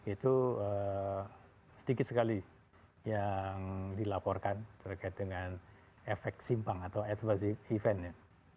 itu sedikit sekali yang dilaporkan terkait dengan efek simpang atau advasi eventnya